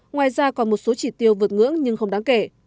ngoài ra còn một số chỉ tiêu vượt ngưỡng nhưng không đáng kể